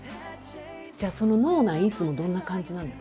じゃあその脳内いつもどんな感じなんですか？